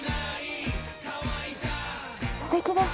すてきです。